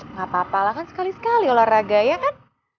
ngapapalah kan sekali sekali olahraga ya kan